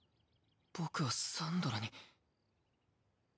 僕はサンドラに。